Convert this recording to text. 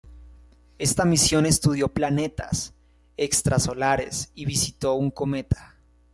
Esta misión estudió planetas extrasolares y visitó un cometa.